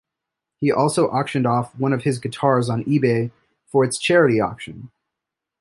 He also auctioned off one of his guitars on eBay for its charity auction.